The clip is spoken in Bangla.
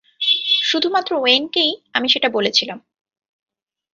শুধুমাত্র ওয়েনকেই আমি সেটা বলেছিলাম।